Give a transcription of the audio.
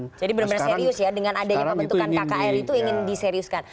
jadi benar benar serius ya dengan adanya pembentukan kkr itu ingin diseriuskan